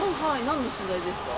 何の取材ですか？